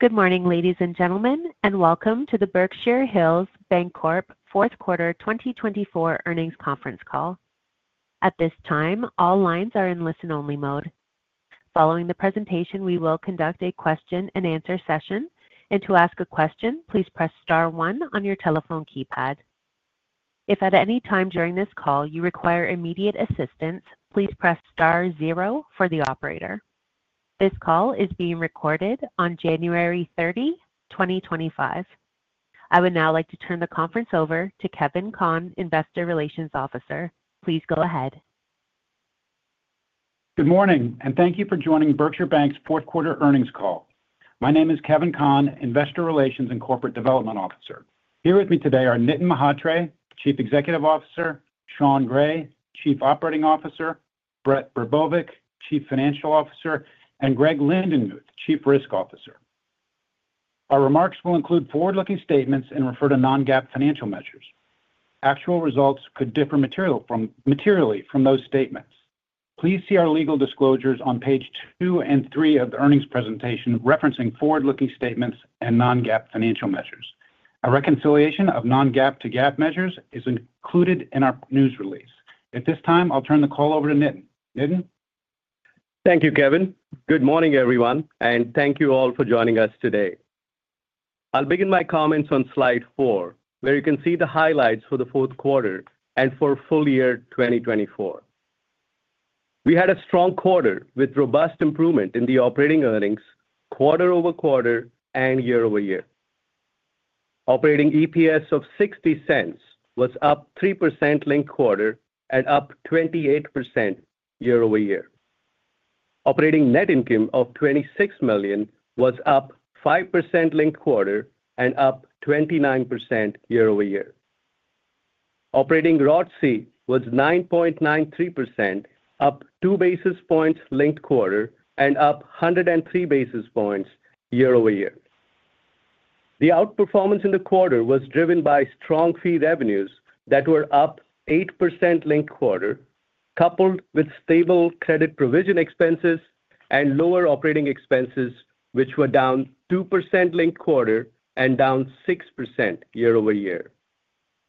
Good morning, ladies and gentlemen, and welcome to the Berkshire Hills Bancorp Q4 2024 earnings conference call. At this time, all lines are in listen-only mode. Following the presentation, we will conduct a question-and-answer session. To ask a question, please press star one on your telephone keypad. If at any time during this call you require immediate assistance, please press star zero for the operator. This call is being recorded on January 30, 2025. I would now like to turn the conference over to Kevin Conn, Investor Relations Officer. Please go ahead. Good morning, and thank you for joining Berkshire Hills Bancorp's Q4 earnings call. My name is Kevin Conn, Investor Relations and Corporate Development Officer. Here with me today are Nitin Mhatre, Chief Executive Officer; Sean Gray, Chief Operating Officer; Brett Brbovic, Chief Financial Officer; and Greg Lindenmuth, Chief Risk Officer. Our remarks will include forward-looking statements and refer to non-GAAP financial measures. Actual results could differ materially from those statements. Please see our legal disclosures on page two and three of the earnings presentation referencing forward-looking statements and non-GAAP financial measures. A reconciliation of non-GAAP to GAAP measures is included in our news release. At this time, I'll turn the call over to Nitin. Nitin. Thank you, Kevin. Good morning, everyone, and thank you all for joining us today. I'll begin my comments on slide four, where you can see the highlights for the Q4 and for full year 2024. We had a strong quarter with robust improvement in the operating earnings quarter over quarter and year over year. Operating EPS of $0.60 was up 3% linked quarter and up 28% year over year. Operating net income of $26 million was up 5% linked quarter and up 29% year over year. Operating ROTCE was 9.93%, up two basis points linked quarter and up 103 basis points year over year. The outperformance in the quarter was driven by strong fee revenues that were up 8% linked quarter, coupled with stable credit provision expenses and lower operating expenses, which were down 2% linked quarter and down 6% year over year.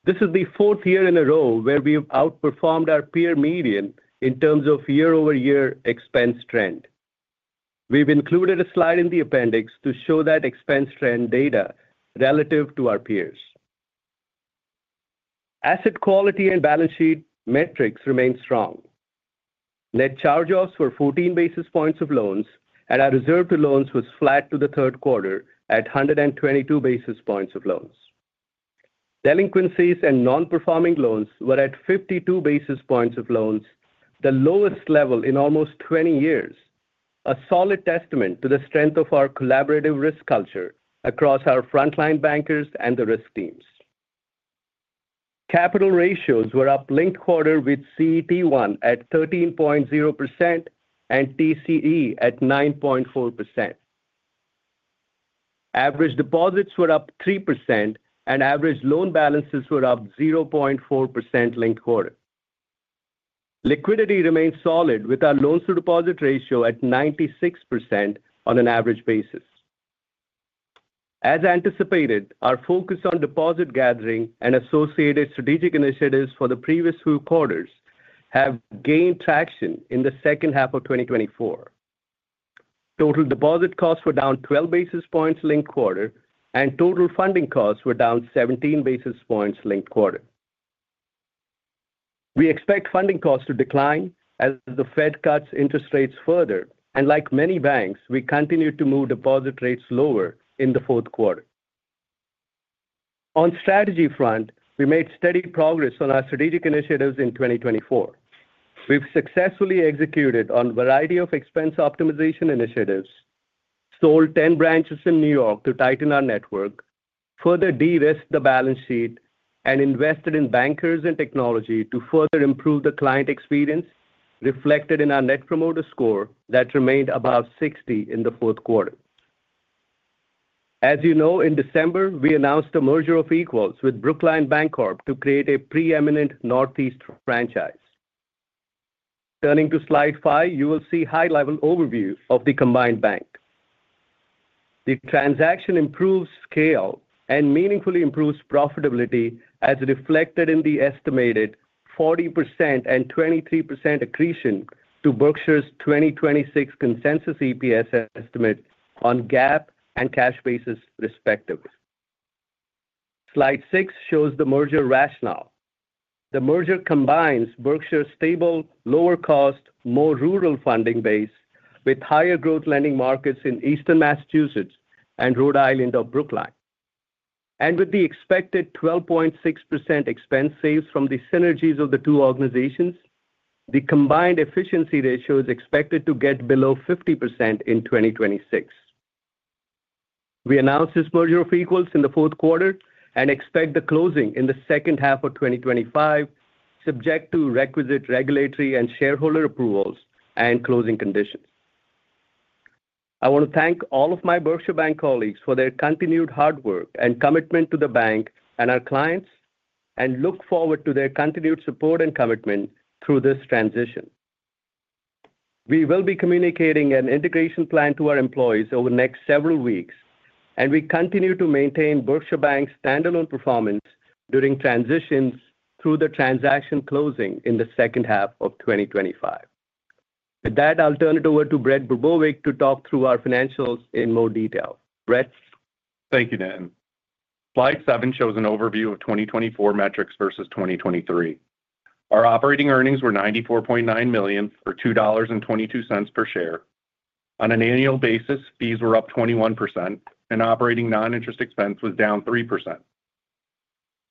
This is the fourth year in a row where we've outperformed our peer median in terms of year-over-year expense trend. We've included a slide in the appendix to show that expense trend data relative to our peers. Asset quality and balance sheet metrics remain strong. Net charge-offs were 14 basis points of loans, and our reserve to loans was flat to the third quarter at 122 basis points of loans. Delinquencies and non-performing loans were at 52 basis points of loans, the lowest level in almost 20 years, a solid testament to the strength of our collaborative risk culture across our frontline bankers and the risk teams. Capital ratios were up link quarter with CET1 at 13.0% and TCE at 9.4%. Average deposits were up 3%, and average loan balances were up 0.4% link quarter. Liquidity remained solid with our loans-to-deposit ratio at 96% on an average basis. As anticipated, our focus on deposit gathering and associated strategic initiatives for the previous few quarters have gained traction in the second half of 2024. Total deposit costs were down 12 basis points linked quarter, and total funding costs were down 17 basis points linked quarter. We expect funding costs to decline as the Fed cuts interest rates further, and like many banks, we continue to move deposit rates lower in the Q4. On the strategy front, we made steady progress on our strategic initiatives in 2024. We've successfully executed on a variety of expense optimization initiatives, sold 10 branches in New York to tighten our network, further de-risked the balance sheet, and invested in bankers and technology to further improve the client experience, reflected in our Net Promoter Score that remained above 60 in the Q4. As you know, in December, we announced a merger of equals with Brookline Bancorp to create a preeminent Northeast franchise. Turning to slide five, you will see a high-level overview of the combined bank. The transaction improves scale and meaningfully improves profitability as reflected in the estimated 40% and 23% accretion to Berkshire's 2026 consensus EPS estimate on GAAP and cash basis respectively. Slide six shows the merger rationale. The merger combines Berkshire's stable, lower-cost, more rural funding base with higher growth lending markets in Eastern Massachusetts and Rhode Island of Brookline. And with the expected 12.6% expense saves from the synergies of the two organizations, the combined efficiency ratio is expected to get below 50% in 2026. We announced this merger of equals in the Q4 and expect the closing in the second half of 2025, subject to requisite regulatory and shareholder approvals and closing conditions. I want to thank all of my Berkshire Bank colleagues for their continued hard work and commitment to the bank and our clients, and look forward to their continued support and commitment through this transition. We will be communicating an integration plan to our employees over the next several weeks, and we continue to maintain Berkshire Bank's standalone performance during transitions through the transaction closing in the second half of 2025. With that, I'll turn it over to Brett Brbovic to talk through our financials in more detail. Brett. Thank you, Nitin. Slide seven shows an overview of 2024 metrics versus 2023. Our operating earnings were $94.9 million, or $2.22 per share. On an annual basis, fees were up 21%, and operating non-interest expense was down 3%.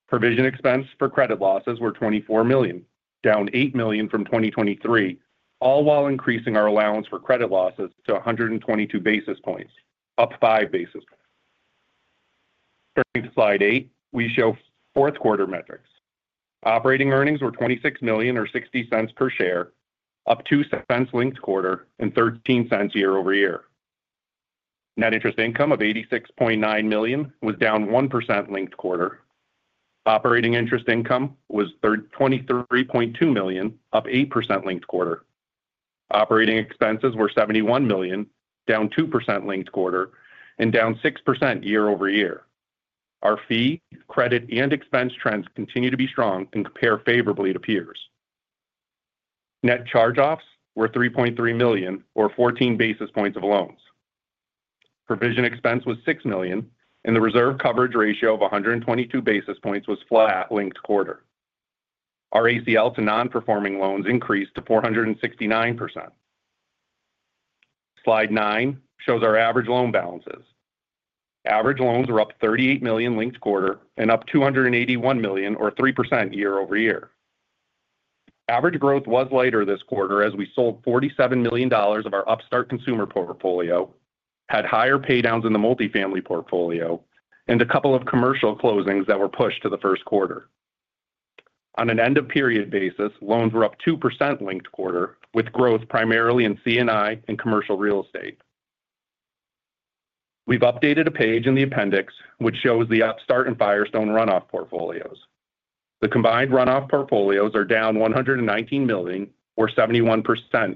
Provision expense for credit losses were $24 million, down $8 million from 2023, all while increasing our allowance for credit losses to 122 basis points, up 5 basis points. Turning to slide eight, we show Q4 metrics. Operating earnings were $26 million, or $0.60 per share, up $0.02 link quarter and $0.13 year over year. Net interest income of $86.9 million was down 1% link quarter. Operating non-interest income was $23.2 million, up 8% link quarter. Operating expenses were $71 million, down 2% link quarter, and down 6% year over year. Our fee, credit, and expense trends continue to be strong and compare favorably to peers. Net charge-offs were $3.3 million, or 14 basis points of loans. Provision expense was $6 million, and the reserve coverage ratio of 122 basis points was flat linked quarter. Our ACL to non-performing loans increased to 469%. Slide nine shows our average loan balances. Average loans were up $38 million linked quarter and up $281 million, or 3% year over year. Average growth was lighter this quarter as we sold $47 million of our Upstart consumer portfolio, had higher paydowns in the multifamily portfolio, and a couple of commercial closings that were pushed to the Q1. On an end-of-period basis, loans were up 2% linked quarter, with growth primarily in C&I and commercial real estate. We've updated a page in the appendix, which shows the Upstart and Firestone runoff portfolios. The combined runoff portfolios are down $119 million, or 71%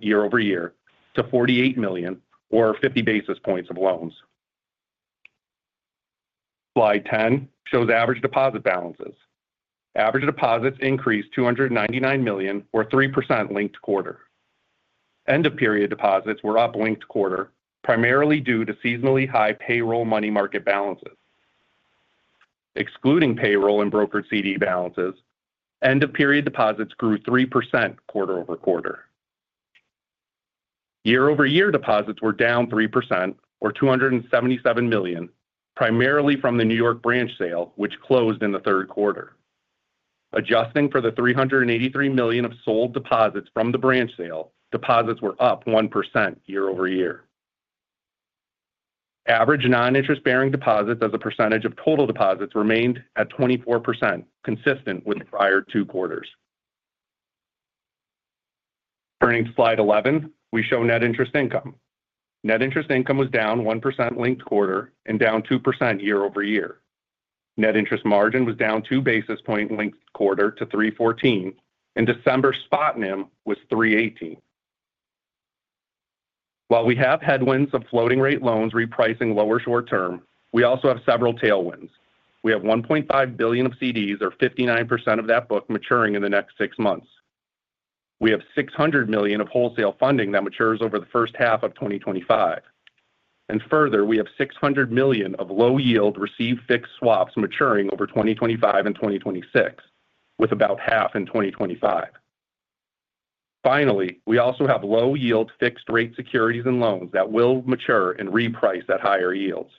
year over year, to $48 million, or 50 basis points of loans. Slide 10 shows average deposit balances. Average deposits increased $299 million, or 3% link quarter. End-of-period deposits were up link quarter, primarily due to seasonally high payroll money market balances. Excluding payroll and brokered CD balances, end-of-period deposits grew 3% quarter over quarter. Year-over-year deposits were down 3%, or $277 million, primarily from the New York branch sale, which closed in the third quarter. Adjusting for the $383 million of sold deposits from the branch sale, deposits were up 1% year over year. Average non-interest-bearing deposits as a percentage of total deposits remained at 24%, consistent with prior two quarters. Turning to slide 11, we show net interest income. Net interest income was down 1% link quarter and down 2% year over year. Net interest margin was down 2 basis points link quarter to $314, and December spot NIM was $318. While we have headwinds of floating rate loans repricing lower short-term, we also have several tailwinds. We have $1.5 billion of CDs, or 59% of that book maturing in the next six months. We have $600 million of wholesale funding that matures over the first half of 2025, and further, we have $600 million of low-yield receive fixed swaps maturing over 2025 and 2026, with about half in 2025. Finally, we also have low-yield fixed-rate securities and loans that will mature and reprice at higher yields.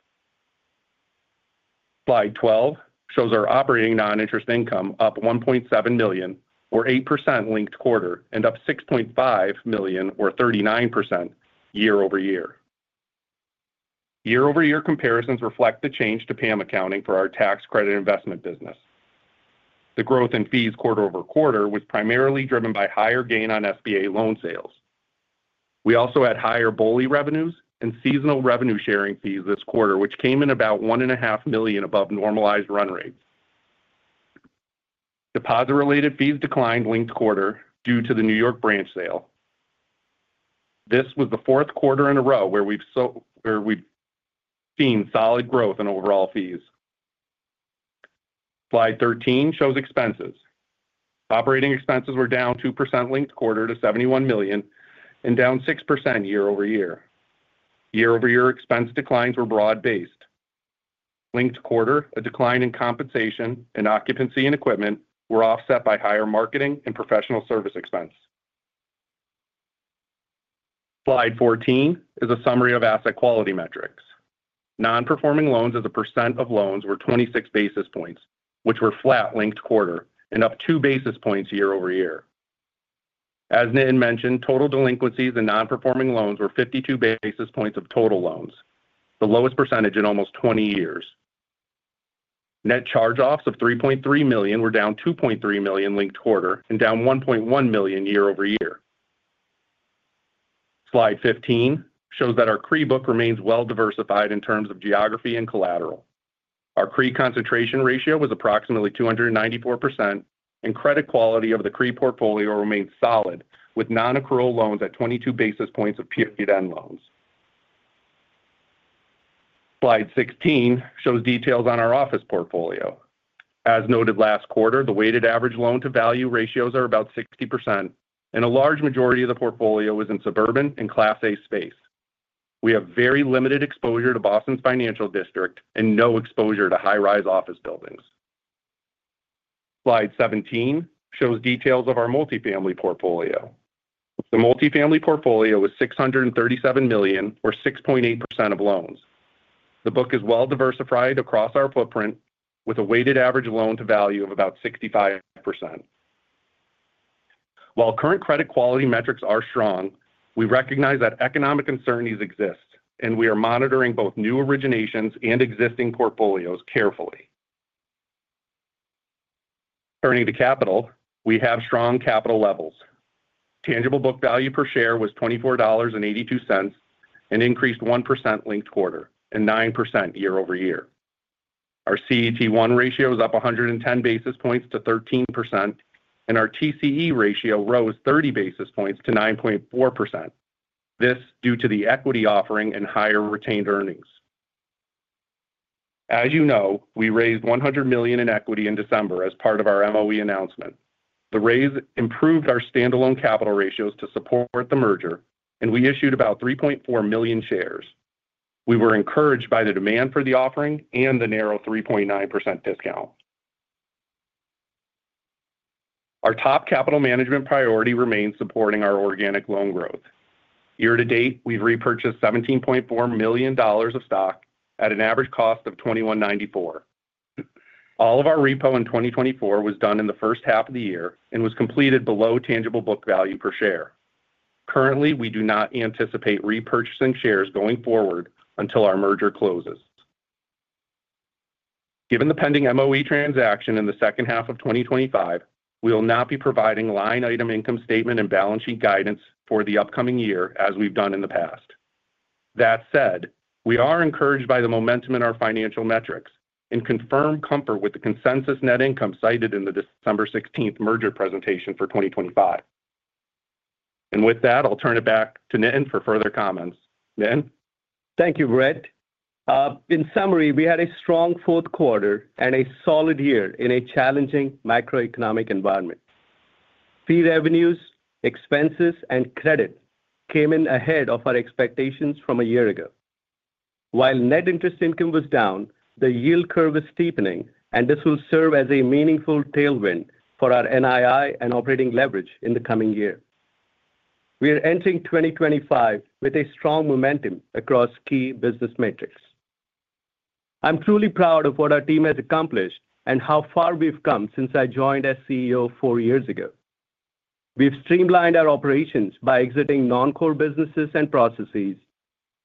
Slide 12 shows our operating non-interest income up $1.7 million, or 8% link quarter, and up $6.5 million, or 39% year-over-year. Year-over-year comparisons reflect the change to PAM accounting for our tax credit investment business. The growth in fees quarter over quarter was primarily driven by higher gain on SBA loan sales. We also had higher BOLI revenues and seasonal revenue sharing fees this quarter, which came in about $1.5 million above normalized run rates. Deposit-related fees declined link quarter due to the New York branch sale. This was the Q4 in a row where we've seen solid growth in overall fees. Slide 13 shows expenses. Operating expenses were down 2% link quarter to $71 million and down 6% year over year. Year-over-year expense declines were broad-based. Link quarter, a decline in compensation and occupancy and equipment were offset by higher marketing and professional service expense. Slide 14 is a summary of asset quality metrics. Non-performing loans as a percent of loans were 26 basis points, which were flat link quarter and up 2 basis points year over year. As Nitin mentioned, total delinquencies and non-performing loans were 52 basis points of total loans, the lowest percentage in almost 20 years. Net charge-offs of $3.3 million were down $2.3 million linked quarter and down $1.1 million year over year. Slide 15 shows that our CRE book remains well diversified in terms of geography and collateral. Our CRE concentration ratio was approximately 294%, and credit quality of the CRE portfolio remained solid with non-accrual loans at 22 basis points of period-end loans. Slide 16 shows details on our office portfolio. As noted last quarter, the weighted average loan-to-value ratios are about 60%, and a large majority of the portfolio is in suburban and Class A space. We have very limited exposure to Boston's financial district and no exposure to high-rise office buildings. Slide 17 shows details of our multifamily portfolio. The multifamily portfolio was $637 million, or 6.8% of loans. The book is well diversified across our footprint with a weighted average loan-to-value of about 65%. While current credit quality metrics are strong, we recognize that economic uncertainties exist, and we are monitoring both new originations and existing portfolios carefully. Turning to capital, we have strong capital levels. Tangible book value per share was $24.82 and increased 1% link quarter and 9% year over year. Our CET1 ratio is up 110 basis points to 13%, and our TCE ratio rose 30 basis points to 9.4%. This is due to the equity offering and higher retained earnings. As you know, we raised $100 million in equity in December as part of our MOE announcement. The raise improved our standalone capital ratios to support the merger, and we issued about 3.4 million shares. We were encouraged by the demand for the offering and the narrow 3.9% discount. Our top capital management priority remains supporting our organic loan growth. Year to date, we've repurchased $17.4 million of stock at an average cost of $21.94. All of our repo in 2024 was done in the first half of the year and was completed below tangible book value per share. Currently, we do not anticipate repurchasing shares going forward until our merger closes. Given the pending MOE transaction in the second half of 2025, we will not be providing line item income statement and balance sheet guidance for the upcoming year as we've done in the past. That said, we are encouraged by the momentum in our financial metrics and confirm comfort with the consensus net income cited in the December 16 merger presentation for 2025. And with that, I'll turn it back to Nitin for further comments. Nitin. Thank you, Brett. In summary, we had a strong Q4 and a solid year in a challenging macroeconomic environment. Fee revenues, expenses, and credit came in ahead of our expectations from a year ago. While net interest income was down, the yield curve is steepening, and this will serve as a meaningful tailwind for our NII and operating leverage in the coming year. We are entering 2025 with a strong momentum across key business metrics. I'm truly proud of what our team has accomplished and how far we've come since I joined as CEO four years ago. We've streamlined our operations by exiting non-core businesses and processes,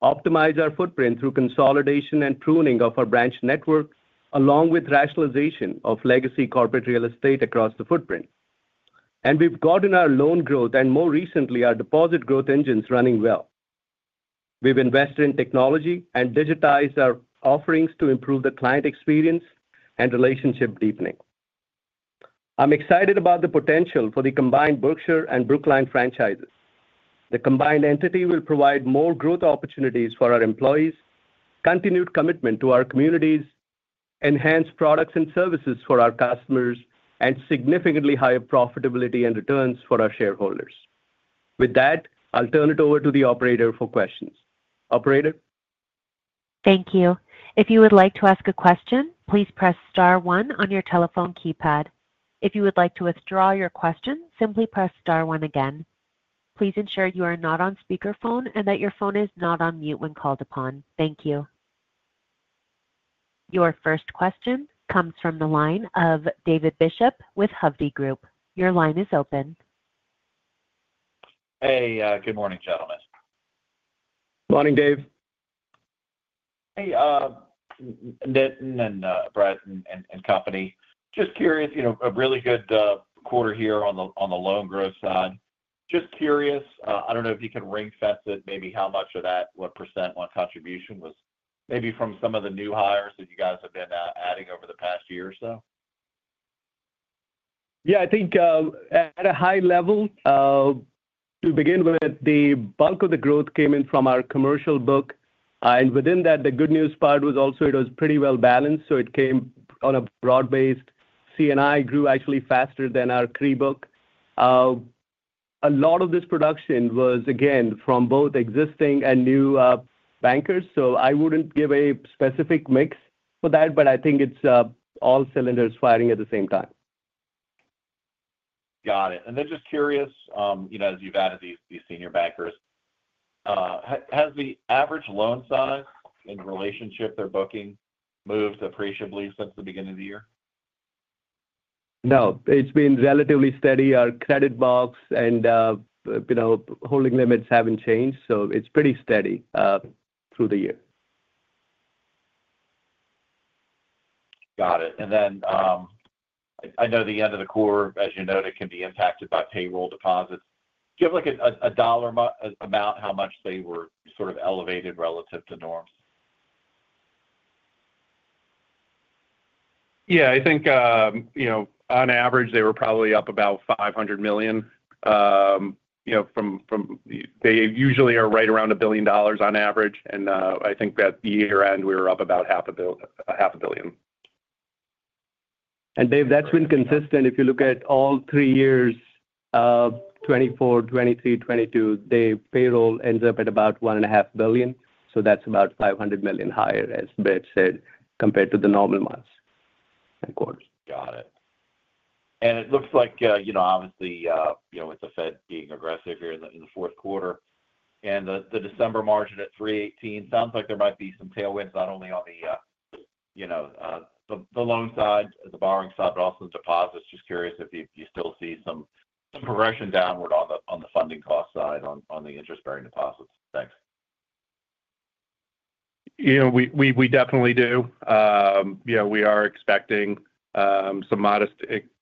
optimized our footprint through consolidation and pruning of our branch network, along with rationalization of legacy corporate real estate across the footprint, and we've gotten our loan growth and, more recently, our deposit growth engines running well. We've invested in technology and digitized our offerings to improve the client experience and relationship deepening. I'm excited about the potential for the combined Berkshire and Brookline franchises. The combined entity will provide more growth opportunities for our employees, continued commitment to our communities, enhanced products and services for our customers, and significantly higher profitability and returns for our shareholders. With that, I'll turn it over to the operator for questions. Operator. Thank you. If you would like to ask a question, please press star one on your telephone keypad. If you would like to withdraw your question, simply press star one again. Please ensure you are not on speakerphone and that your phone is not on mute when called upon. Thank you. Your first question comes from the line of David Bishop with Hovde Group. Your line is open. Hey, good morning, gentlemen. Morning, Dave. Hey, Nitin and Brett and company. Just curious, a really good quarter here on the loan growth side. Just curious, I don't know if you can ring-fence it, maybe how much of that, what percent, what contribution was maybe from some of the new hires that you guys have been adding over the past year or so? Yeah, I think at a high level, to begin with, the bulk of the growth came in from our commercial book. And within that, the good news part was also it was pretty well balanced, so it came on a broad-based C&I grew actually faster than our CRE book. A lot of this production was, again, from both existing and new bankers, so I wouldn't give a specific mix for that, but I think it's all cylinders firing at the same time. Got it. And then just curious, as you've added these senior bankers, has the average loan size in relationship to their booking moved appreciably since the beginning of the year? No, it's been relatively steady. Our credit box and holding limits haven't changed, so it's pretty steady through the year. Got it. And then I know the end of the quarter, as you noted, can be impacted by payroll deposits. Do you have a dollar amount how much they were sort of elevated relative to norms? Yeah, I think on average, they were probably up about $500 million. They usually are right around $1 billion on average, and I think at the year-end, we were up about $500 million. Dave, that's been consistent. If you look at all three years, 2024, 2023, 2022, the payroll ends up at about $1.5 billion, so that's about $500 million higher, as Brett said, compared to the normal months and quarters. Got it, and it looks like, obviously, with the Fed being aggressive here in the Q4 and the December margin at $318, sounds like there might be some tailwinds not only on the loan side, the borrowing side, but also the deposits. Just curious if you still see some progression downward on the funding cost side on the interest-bearing deposits. Thanks. We definitely do. We are expecting some modest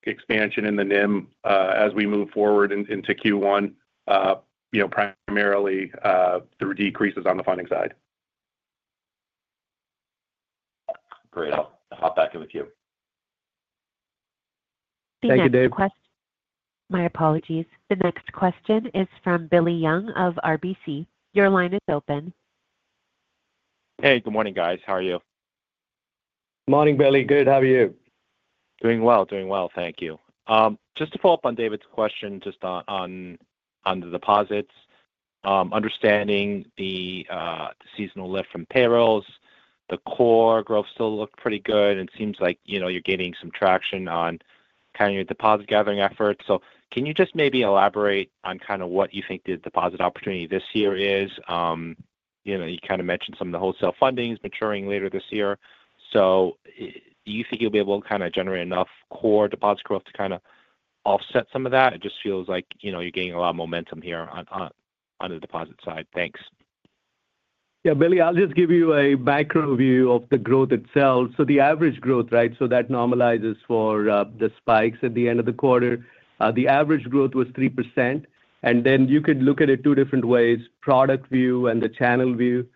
expansion in the NIM as we move forward into Q1, primarily through decreases on the funding side. Great. I'll hop back in with you. Thank you, Dave. My apologies. The next question is from Billy Young of RBC. Your line is open. Hey, good morning, guys. How are you? Morning, Billy. Good. How are you? Doing well. Doing well. Thank you. Just to follow up on David's question just on the deposits, understanding the seasonal lift from payrolls, the core growth still looked pretty good, and it seems like you're getting some traction on kind of your deposit gathering efforts. So can you just maybe elaborate on kind of what you think the deposit opportunity this year is? You kind of mentioned some of the wholesale fundings maturing later this year. So do you think you'll be able to kind of generate enough core deposit growth to kind of offset some of that? It just feels like you're getting a lot of momentum here on the deposit side. Thanks. Yeah, Billy, I'll just give you a macro view of the growth itself. So the average growth, right, so that normalizes for the spikes at the end of the quarter, the average growth was 3%. And then you could look at it two different ways: product view and the channel view.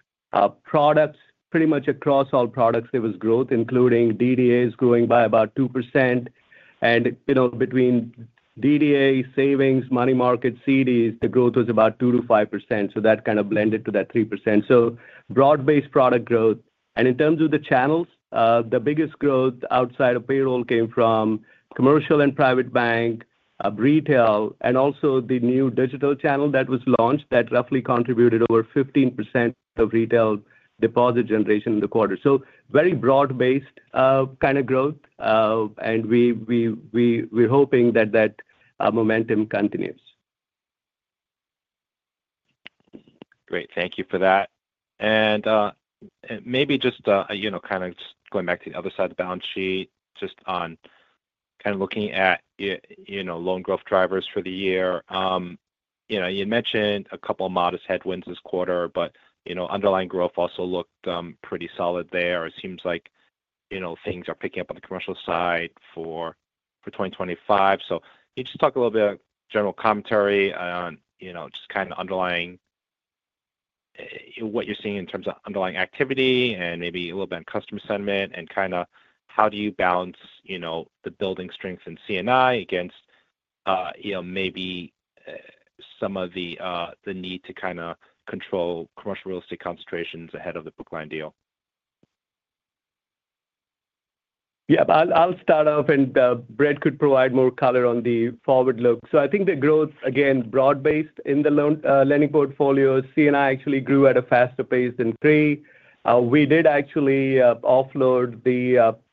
Products, pretty much across all products, there was growth, including DDAs growing by about 2%. And between DDA, savings, money market, CDs, the growth was about 2% to 5%. So that kind of blended to that 3%. So broad-based product growth. And in terms of the channels, the biggest growth outside of payroll came from commercial and private bank, retail, and also the new digital channel that was launched that roughly contributed over 15% of retail deposit generation in the quarter. So very broad-based kind of growth, and we're hoping that that momentum continues. Great. Thank you for that. And maybe just kind of going back to the other side of the balance sheet, just on kind of looking at loan growth drivers for the year. You mentioned a couple of modest headwinds this quarter, but underlying growth also looked pretty solid there. It seems like things are picking up on the commercial side for 2025. So can you just talk a little bit of general commentary on just kind of underlying what you're seeing in terms of underlying activity and maybe a little bit on customer sentiment and kind of how do you balance the building strength in C&I against maybe some of the need to kind of control commercial real estate concentrations ahead of the Brookline deal? Yeah, I'll start off, and Brett could provide more color on the forward look. So I think the growth, again, broad-based in the lending portfolio. C&I actually grew at a faster pace than CRE. We did actually offload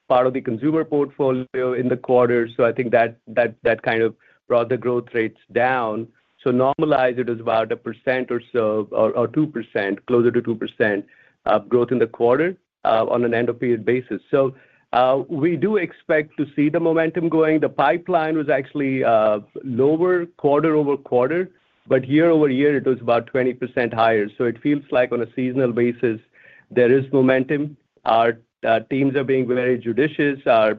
part of the consumer portfolio in the quarter, so I think that kind of brought the growth rates down. So normalized, it was about 1% or so, or 2%, closer to 2% growth in the quarter on an end-of-period basis. So we do expect to see the momentum going. The pipeline was actually lower quarter over quarter, but year over year, it was about 20% higher. So it feels like on a seasonal basis, there is momentum. Our teams are being very judicious. Our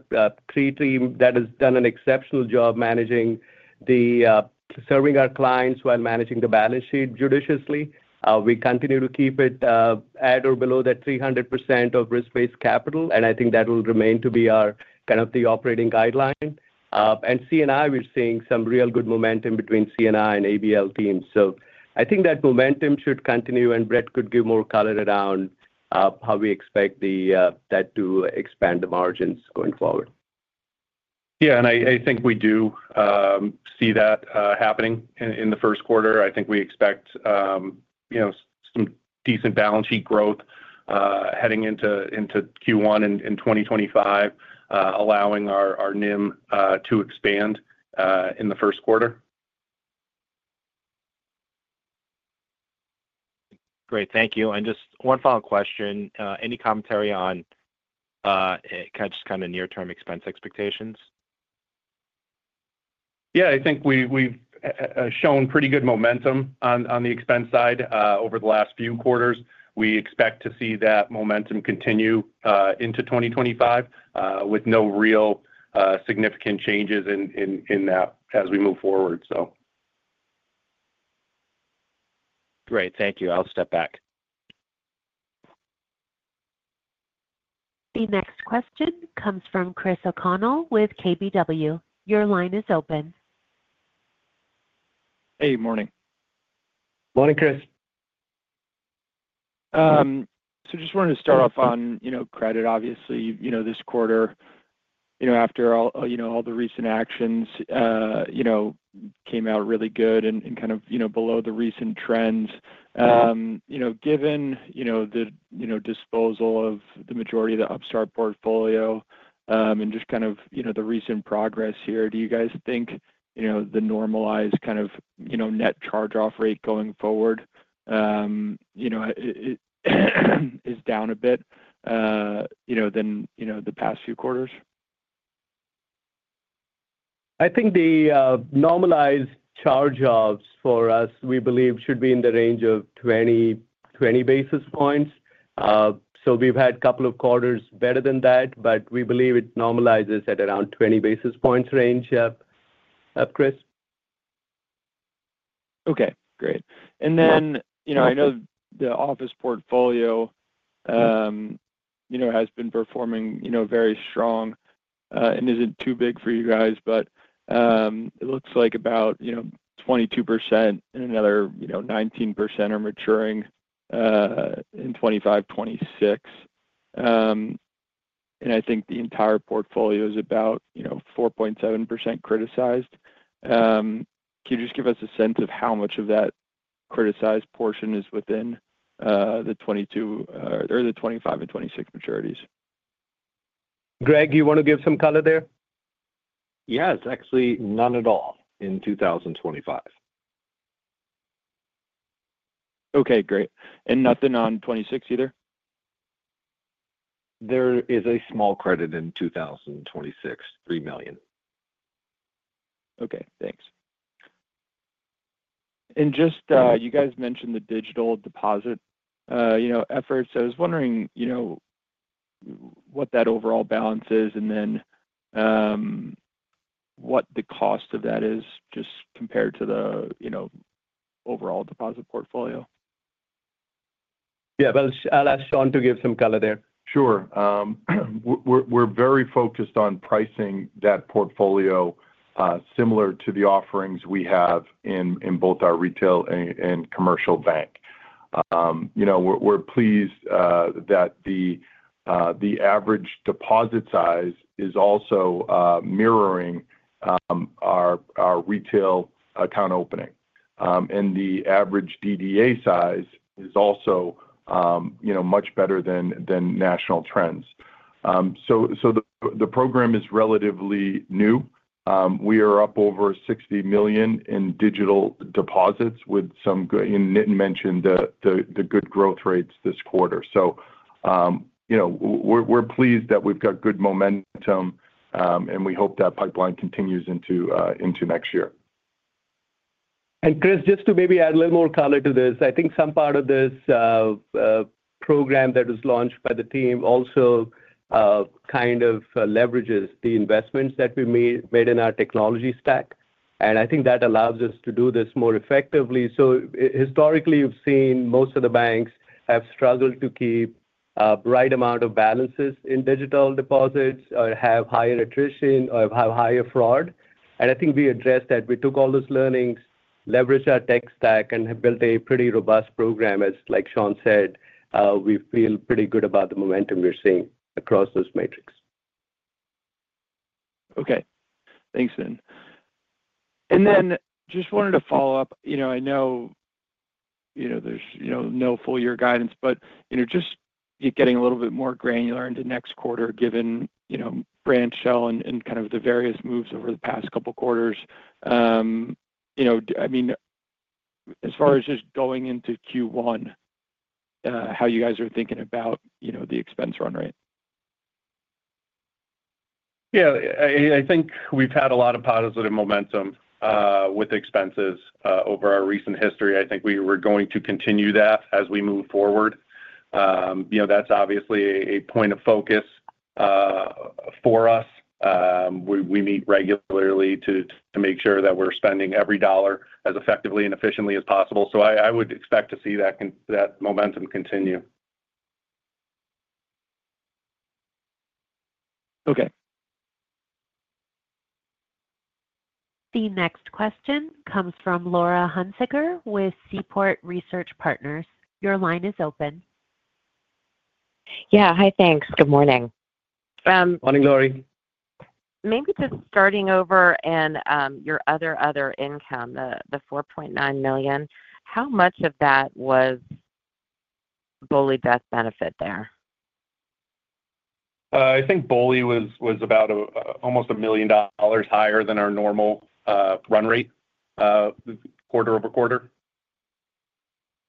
CRE team that has done an exceptional job managing and serving our clients while managing the balance sheet judiciously. We continue to keep it at or below that 300% of risk-based capital, and I think that will remain to be our kind of the operating guideline, and C&I, we're seeing some real good momentum between C&I and ABL teams, so I think that momentum should continue, and Brett could give more color around how we expect that to expand the margins going forward. Yeah, and I think we do see that happening in the Q1. I think we expect some decent balance sheet growth heading into Q1 in 2025, allowing our NIM to expand in the Q1. Great. Thank you. And just one final question. Any commentary on kind of just kind of near-term expense expectations? Yeah, I think we've shown pretty good momentum on the expense side over the last few quarters. We expect to see that momentum continue into 2025 with no real significant changes in that as we move forward, so. Great. Thank you. I'll step back. The next question comes from Chris O'Connell with KBW. Your line is open. Hey, morning. Morning, Chris. Just wanted to start off on credit, obviously, this quarter, after all the recent actions came out really good and kind of below the recent trends. Given the disposal of the majority of the Upstart portfolio and just kind of the recent progress here, do you guys think the normalized kind of net charge-off rate going forward is down a bit than the past few quarters? I think the normalized charge-offs for us, we believe, should be in the range of 20 basis points. So we've had a couple of quarters better than that, but we believe it normalizes at around 20 basis points range. Chris? Okay. Great. And then I know the office portfolio has been performing very strong and isn't too big for you guys, but it looks like about 22% and another 19% are maturing in 2025, 2026. And I think the entire portfolio is about 4.7% criticized. Can you just give us a sense of how much of that criticized portion is within the 2025 or the 2025 and 2026 maturities? Greg, do you want to give some color there? Yes. Actually, none at all in 2025. Okay. Great. And nothing on 2026 either? There is a small credit in 2026, $3 million. Okay. Thanks. And just you guys mentioned the digital deposit efforts. I was wondering what that overall balance is and then what the cost of that is just compared to the overall deposit portfolio? Yeah, I'll ask Sean to give some color there. Sure. We're very focused on pricing that portfolio similar to the offerings we have in both our retail and commercial bank. We're pleased that the average deposit size is also mirroring our retail account opening, and the average DDA size is also much better than national trends, so the program is relatively new. We are up over $60 million in digital deposits with some good, and Nitin mentioned the good growth rates this quarter. So we're pleased that we've got good momentum, and we hope that pipeline continues into next year. And, Chris, just to maybe add a little more color to this, I think some part of this program that was launched by the team also kind of leverages the investments that we made in our technology stack. And I think that allows us to do this more effectively. So historically, you've seen most of the banks have struggled to keep a right amount of balances in digital deposits or have higher attrition or have higher fraud. And I think we addressed that. We took all those learnings, leveraged our tech stack, and have built a pretty robust program. As Sean said, we feel pretty good about the momentum we're seeing across those metrics. Okay. Thanks, Ben. And then just wanted to follow up. I know there's no full year guidance, but just getting a little bit more granular into next quarter given branch sale and kind of the various moves over the past couple of quarters. I mean, as far as just going into Q1, how you guys are thinking about the expense run rate? Yeah. I think we've had a lot of positive momentum with expenses over our recent history. I think we're going to continue that as we move forward. That's obviously a point of focus for us. We meet regularly to make sure that we're spending every dollar as effectively and efficiently as possible. So I would expect to see that momentum continue. Okay. The next question comes from Laurie Hunsicker with Seaport Research Partners. Your line is open. Yeah. Hi, thanks. Good morning. Morning, Lori. Maybe just starting over in your other income, the $4.9 million, how much of that was BOLI best benefit there? I think BOLI was about almost $1 million higher than our normal run rate quarter over quarter.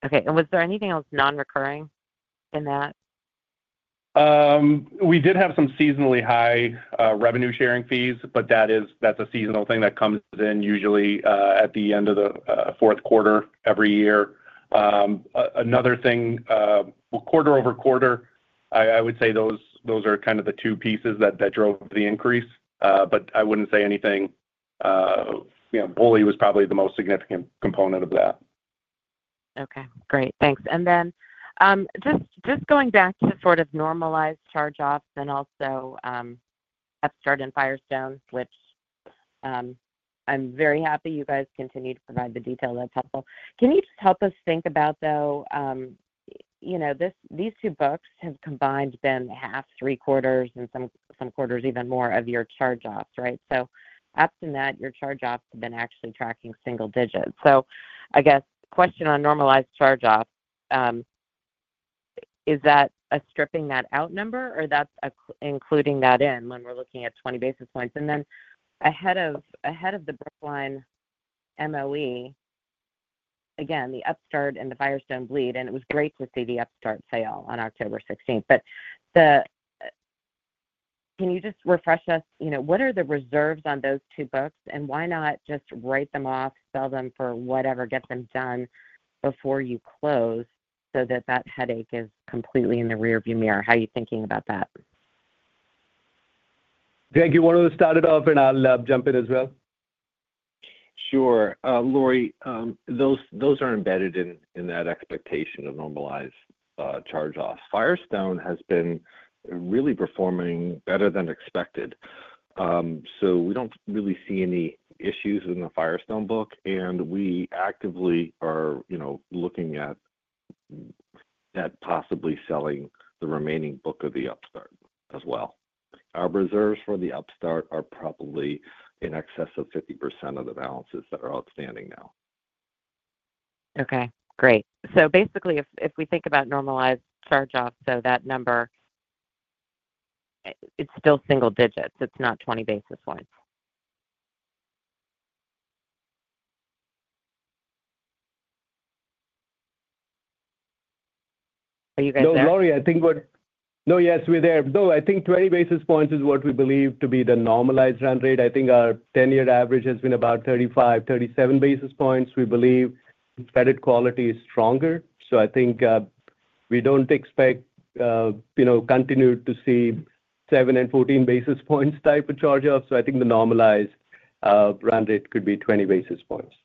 Okay. And was there anything else non-recurring in that? We did have some seasonally high revenue-sharing fees, but that's a seasonal thing that comes in usually at the end of the Q4 every year. Another thing, quarter over quarter, I would say those are kind of the two pieces that drove the increase, but I wouldn't say anything. BOLI was probably the most significant component of that. Okay. Great. Thanks. And then just going back to sort of normalized charge-offs and also Upstart and Firestone, which I'm very happy you guys continue to provide the detail that's helpful. Can you just help us think about, though, these two books have combined been half three quarters and some quarters even more of your charge-offs, right? So up to that, your charge-offs have been actually tracking single digits. So I guess question on normalized charge-offs, is that a stripping that out number or that's including that in when we're looking at 20 basis points? And then ahead of the Brookline MOE, again, the Upstart and the Firestone bleed, and it was great to see the Upstart sale on October 16th. But can you just refresh us? What are the reserves on those two books, and why not just write them off, sell them for whatever, get them done before you close so that that headache is completely in the rearview mirror? How are you thinking about that? Greg, you want to start it off, and I'll jump in as well. Sure. Laura, those are embedded in that expectation of normalized charge-offs. Firestone has been really performing better than expected. So we don't really see any issues in the Firestone book, and we actively are looking at possibly selling the remaining book of the Upstart as well. Our reserves for the Upstart are probably in excess of 50% of the balances that are outstanding now. Okay. Great. So basically, if we think about normalized charge-offs, so that number, it's still single digits. It's not 20 basis points. Are you guys there? No, Lori, I think we're—no, yes, we're there. No, I think 20 basis points is what we believe to be the normalized run rate. I think our 10-year average has been about 35, 37 basis points. We believe credit quality is stronger. So I think we don't expect to continue to see 7 and 14 basis points type of charge-offs. So I think the normalized run rate could be 20 basis points.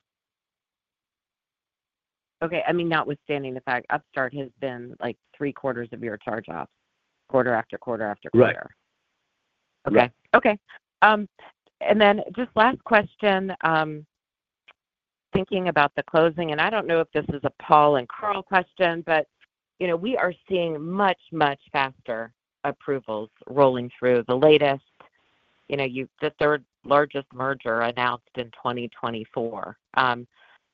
Okay. I mean, notwithstanding the fact Upstart has been like three quarters of your charge-offs, quarter after quarter after quarter. Right. Okay. Okay. And then just last question, thinking about the closing, and I don't know if this is a Paul and Carl question, but we are seeing much, much faster approvals rolling through. The latest, the third largest merger announced in 2024,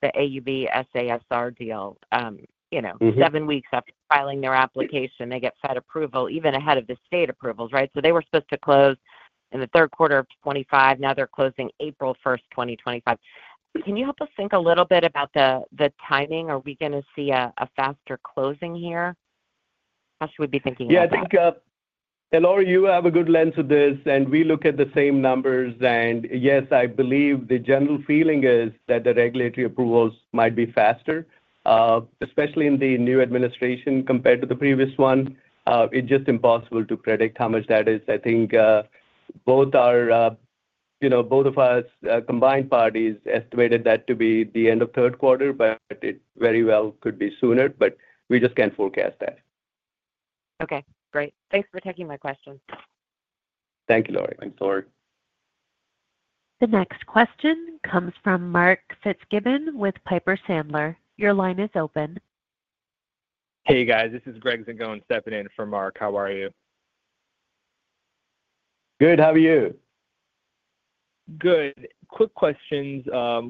the AUB SASR deal, seven weeks after filing their application, they get Fed approval even ahead of the state approvals, right? So they were supposed to close in the third quarter of 2025. Now they're closing April 1st, 2025. Can you help us think a little bit about the timing? Are we going to see a faster closing here? How should we be thinking about that? Yeah. I think, Laura, you have a good lens of this, and we look at the same numbers. Yes, I believe the general feeling is that the regulatory approvals might be faster, especially in the new administration compared to the previous one. It's just impossible to predict how much that is. I think both of us, combined parties, estimated that to be the end of third quarter, but it very well could be sooner, but we just can't forecast that. Okay. Great. Thanks for taking my question. Thank you, Lori. Thanks, Lori. The next question comes from Mark Fitzgibbon with Piper Sandler. Your line is open. Hey, guys. This is Greg Zigone stepping in from Mark. How are you? Good. How are you? Good. Quick questions.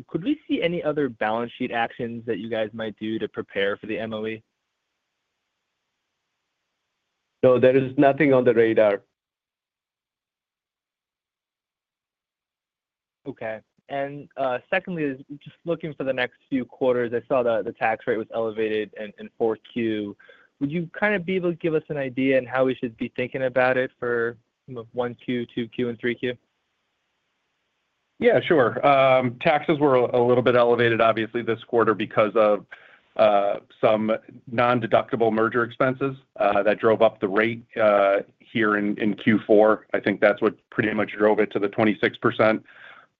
Could we see any other balance sheet actions that you guys might do to prepare for the MOE? No, there is nothing on the radar. Okay. And secondly, just looking for the next few quarters, I saw that the tax rate was elevated in 4Q. Would you kind of be able to give us an idea on how we should be thinking about it for 1Q, 2Q, and 3Q? Yeah, sure. Taxes were a little bit elevated, obviously, this quarter because of some non-deductible merger expenses that drove up the rate here in Q4. I think that's what pretty much drove it to the 26%.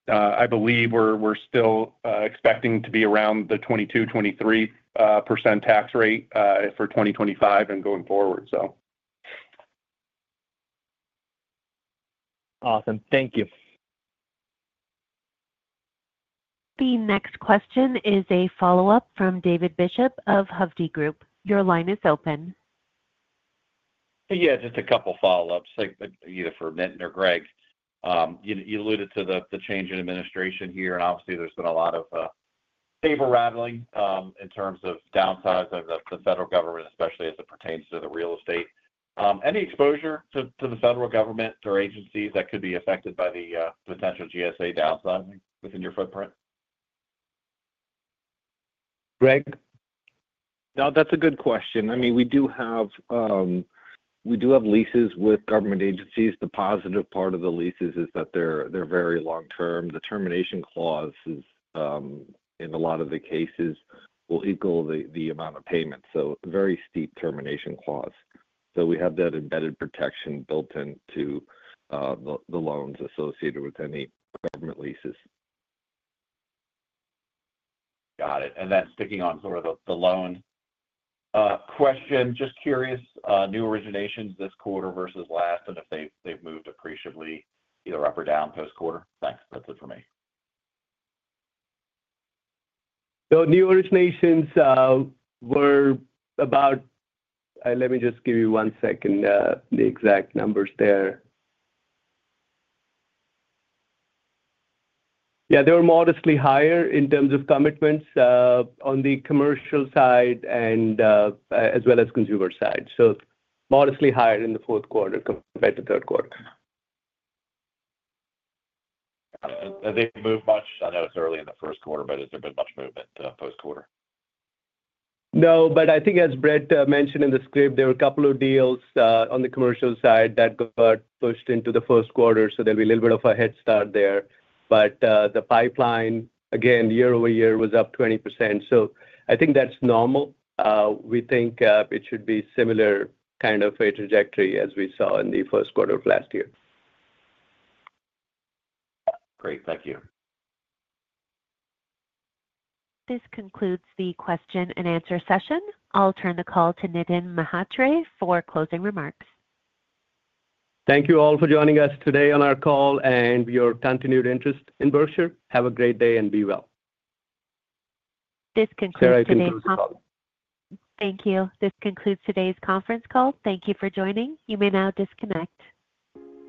I believe we're still expecting to be around the 22%-23% tax rate for 2025 and going forward, so. Awesome. Thank you. The next question is a follow-up from David Bishop of Hovde Group. Your line is open. Yeah, just a couple of follow-ups, either for Nitin or Greg. You alluded to the change in administration here, and obviously, there's been a lot of paper rattling in terms of downsizing of the federal government, especially as it pertains to the real estate. Any exposure to the federal government or agencies that could be affected by the potential GSA downsizing within your footprint? Greg? No, that's a good question. I mean, we do have leases with government agencies. The positive part of the leases is that they're very long-term. The termination clause in a lot of the cases will equal the amount of payment. So very steep termination clause. So we have that embedded protection built into the loans associated with any government leases. Got it. And then sticking on sort of the loan question, just curious, new originations this quarter versus last, and if they've moved appreciably either up or down post-quarter? Thanks. That's it for me. So new originations were about, let me just give you one second, the exact numbers there. Yeah, they were modestly higher in terms of commitments on the commercial side as well as consumer side. So modestly higher in the Q4 compared to third quarter. Have they moved much? I know it's early in the Q1, but has there been much movement post-quarter? No, but I think as Brett mentioned in the script, there were a couple of deals on the commercial side that got pushed into the Q1. So there'll be a little bit of a head start there. But the pipeline, again, year over year was up 20%. So I think that's normal. We think it should be similar kind of a trajectory as we saw in the Q1 of last year. Great. Thank you. This concludes the question and answer session. I'll turn the call to Nitin Mhatre for closing remarks. Thank you all for joining us today on our call and your continued interest in Berkshire. Have a great day and be well. This concludes today's conference. Sorry, I couldn't hear you. Thank you. This concludes today's conference call. Thank you for joining. You may now disconnect.